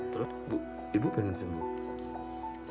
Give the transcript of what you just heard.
terus ibu pengen sembuh